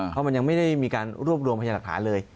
เพราะมันยังไม่ได้มีการรวบรวมพยาหลักฐานเลย